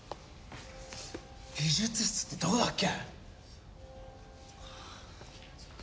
美術室ってどこだっけ？